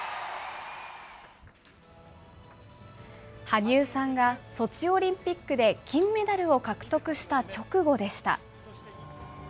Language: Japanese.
羽生さんがソチオリンピックで金メダルを獲得した直後でした。